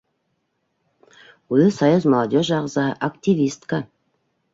Үҙе союз молодежи ағзаһы, активистка.